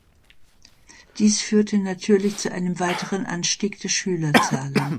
Dies führte natürlich zu einem weiteren Anstieg der Schülerzahlen.